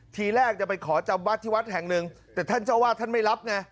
ทีแรกจะไปขอจำวัดที่วัดแห่งหนึ่งแต่ท่านเจ้าวาดท่านไม่รับไง